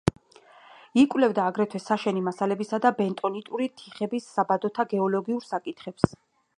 იკვლევდა აგრეთვე საშენი მასალებისა და ბენტონიტური თიხების საბადოთა გეოლოგიურ საკითხებს.